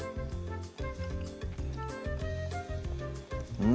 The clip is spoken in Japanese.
うん！